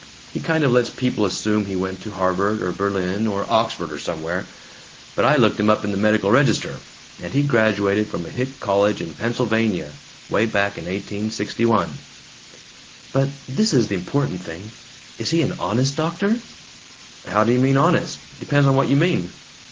He kind of lets people assume he went to Harvard or Berlin or Oxford or somewhere, but I looked him up in the medical register, and he graduated from a hick college in Pennsylvania, 'way back in 1861!" "But this is the important thing: Is he an honest doctor?" "How do you mean 'honest'? Depends on what you mean."